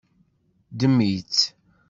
Ddem-itt.